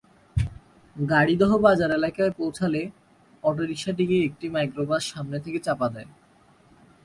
গাড়িদহ বাজার এলাকায় পৌঁছালে অটোরিকশাটিকে একটি মাইক্রোবাস সামনে থেকে চাপা দেয়।